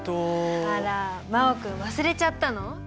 あら真旺君忘れちゃったの？